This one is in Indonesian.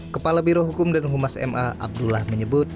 kepala biroh hukum dan humas ma abdullah menyebut